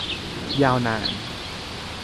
ยาวนาน